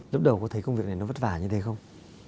lúc đầu có thấy công việc này nó vất vả như thế không